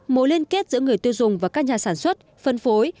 mối liên kết giữa người tiêu dùng và các nhà sản xuất phân phối